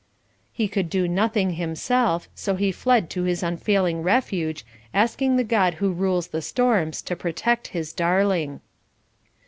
He could do nothing himself, so he fled to his unfailing refuge, asking the God who rules the storms to protect his darling.